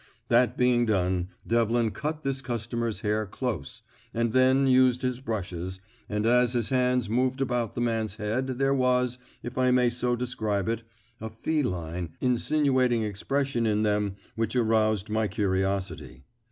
That being done, Devlin cut this customer's hair close, and then used his brushes; and as his hands moved about the man's head there was, if I may so describe it, a feline, insinuating expression in them which aroused my curiosity.